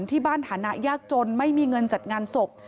ฐานะยากจนไม่มีเงินจัดงานศพ